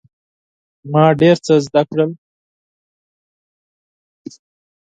ما ډیر څه زده کړل.